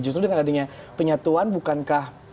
justru dengan adanya penyatuan bukankah